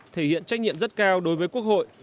thể hiện trách nhiệm rất cao đối với quốc hội